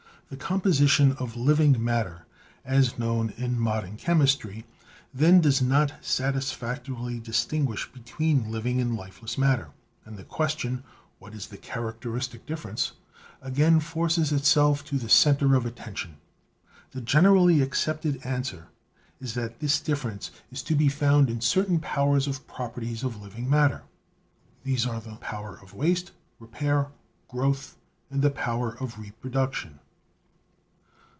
The composition of living matter as known in modern chemistry then does not satisfactorily distinguish between living and lifeless matter, and the question, what is the characteristic difference? again forces itself to the center of attention. The generally accepted answer is that this difference is to be found in certain powers or properties of living matter. These are the power of waste, repair and growth and the power of reproduction.